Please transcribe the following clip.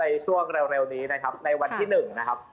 ในช่วงเร็วนี้นะครับในวันที่๑นะครับ